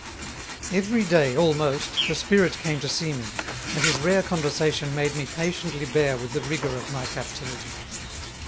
Every day almost the Spirit came to see me, and his rare Conversation made me patiently bear with the rigour of my Captivity.